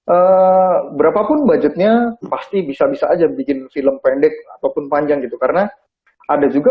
eh berapapun budgetnya pasti bisa bisa aja bikin film pendek ataupun panjang gitu karena ada juga